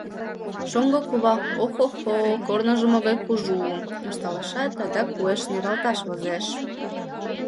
Шоҥго кува «ох-хо-хо, корныжо могай кужу» ышталешат, адак уэш нералташ возеш.